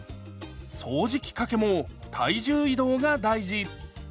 掃除機かけも体重移動が大事！